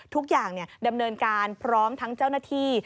ทุกอย่างดำเนินการพร้อมทั้งเจ้าหน้าที่